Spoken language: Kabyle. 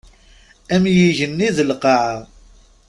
Am yigenni d lqaɛa.